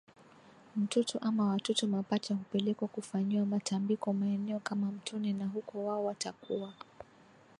mtoto ama watoto mapacha hupelekwa kufanyiwa matambiko maeneo kama mtoni na huko wao watakuwa